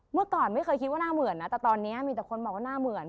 เมื่อก่อนไม่เคยคิดว่าหน้าเหมือนนะแต่ตอนนี้มีแต่คนบอกว่าหน้าเหมือน